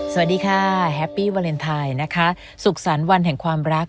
สวัสดีค่ะแฮปปี้วาเลนไทยนะคะสุขสรรค์วันแห่งความรัก